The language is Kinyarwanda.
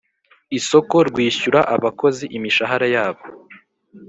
isoko rwishyura abakozi imishahara yabo